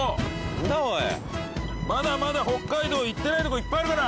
なんだおいまだまだ北海道行ってないとこいっぱいあるから！